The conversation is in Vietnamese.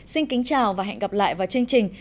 xin kính chào và hẹn gặp lại vào chương trình